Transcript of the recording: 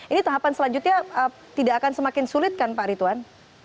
ini tahapan selanjutnya tidak akan semakin sulit kan pak ridwan